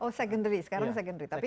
oh secondary sekarang secondary